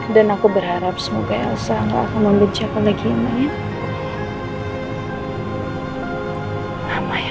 dan aku berharap semoga elsa gak akan membenca pelagi emaknya